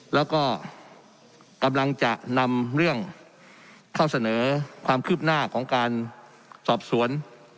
แล้วก็กำลังจะนำเรื่องเข้าเสนอความคืบหน้าของการสอบสวน